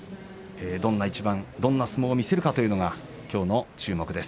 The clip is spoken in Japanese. どんな一番、どんな相撲を見せるかというのがきょうの注目です。